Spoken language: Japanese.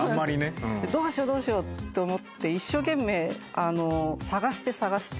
どうしようどうしようと思って一生懸命探して探して。